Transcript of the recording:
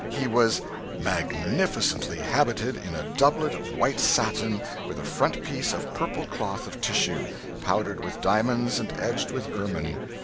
He was 'magnificently habited in a doublet of white satin, with a front piece of purple cloth of tissue, powdered with diamonds, and edged with ermine.